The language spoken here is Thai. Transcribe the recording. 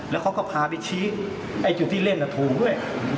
แล้วเขาก็พาไปชี้ไอ้อยู่ที่เล่นละทูด้วย